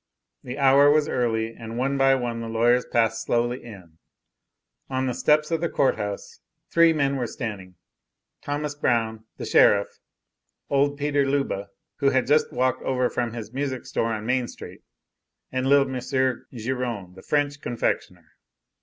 The hour was early, and one by one the lawyers passed slowly in. On the steps of the court house three men were standing: Thomas Brown, the sheriff; old Peter Leuba, who had just walked over from his music store on Main Street; and little M. Giron, the French confectioner.